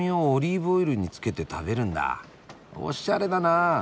おしゃれだな。